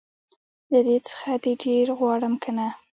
له دې څخه دي ډير غواړم که نه